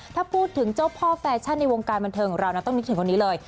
ถ้าพูดถึงเจ้าพ่อแฟชั่นในวงการบันเทิงของเรานะต้องนึกถึงคนนี้เลย